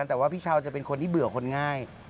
แต่ว่าพี่เช้าจะเป็นคนที่เบื่อคนง่าย